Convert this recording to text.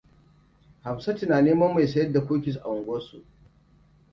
Hamsatu na neman mai sayar da kukis a unguwar su.